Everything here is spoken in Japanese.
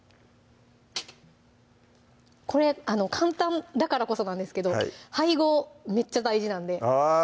これ簡単だからこそなんですけど配合めっちゃ大事なんであぁ